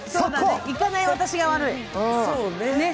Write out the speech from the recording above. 行かない私が悪い。